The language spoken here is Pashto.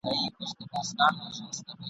شاعر: خلیل جبران !.